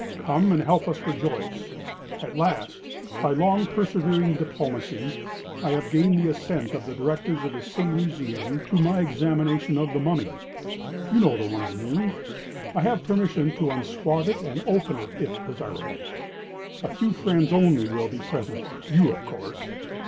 Come and help us to rejoice. At last, by long persevering diplomacy, I have gained the assent of the Directors of the City Museum, to my examination of the Mummy—you know the one I mean. I have permission to unswathe it and open it, if desirable. A few friends only will be present—you, of course.